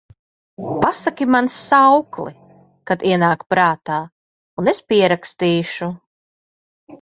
Pasaki man saukli, kad ienāk prātā, un es pierakstīšu…